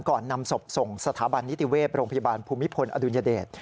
นำศพส่งสถาบันนิติเวศโรงพยาบาลภูมิพลอดุลยเดช